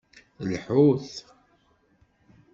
Lḥut!